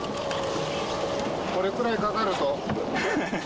これくらいかかるとハハハ。